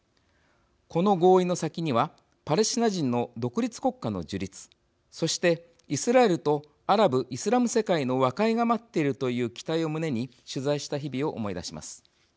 この合意の先にはパレスチナ人の独立国家の樹立そして、イスラエルとアラブ・イスラム世界の和解が待っているという期待を胸に取材した日々を思い出します。